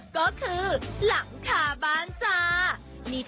มันคือหลังขาบ้าน